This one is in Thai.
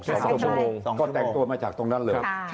๒ชั่วโมงก็แต่งตัวมาจากตรงนั้นเลย